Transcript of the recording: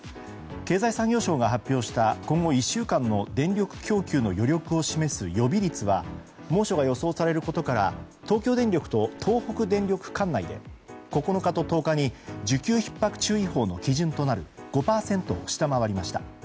経済産業省が発表した今後１週間の電力供給の余力を示す予備率は猛暑が予想されることから東京電力と東北電力管内で９日と１０日に需給ひっ迫注意報の基準となる５％を下回りました。